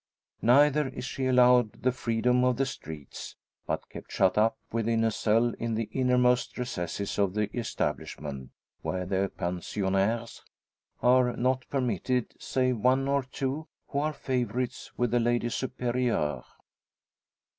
Neither is she allowed the freedom of the streets, but kept shut up within a cell in the innermost recesses of the establishment, where the pensionnaires are not permitted, save one or two who are favourites with the Lady Superior.